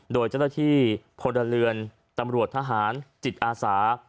โดยเจ้าหน้าที่พลเรือนตำรวจทหารจิตอาสา